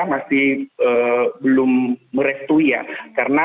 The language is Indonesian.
masih belum berjaya